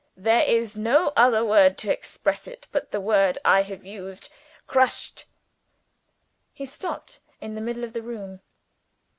There is no other word to express it but the word I have used. Crushed." He stopped in the middle of the room.